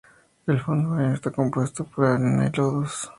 El fondo marino está compuesto en por arena y lodos.